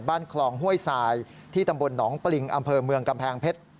บ้านคลองห้วยทรายที่ตำบลหนองปริงอำเภอเมืองกำแพงเพชร